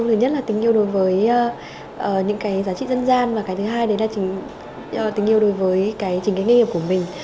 thứ nhất là tình yêu đối với những giá trị dân gian và thứ hai là tình yêu đối với trình kết nghiệm của mình